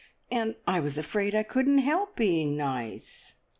And I was afraid I couldn't help being nice."